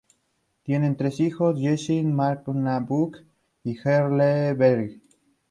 Tienen tres hijos: Jesse, Marmaduke y Huckleberry.